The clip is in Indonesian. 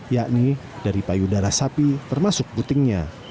yakni dari payudara sapi termasuk putingnya